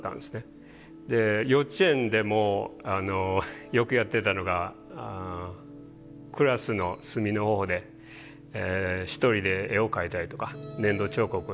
で幼稚園でもよくやってたのがクラスの隅のほうで一人で絵を描いたりとか粘土彫刻をして過ごしてました。